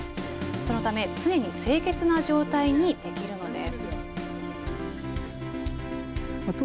そのため常に清潔な状態にできるのです。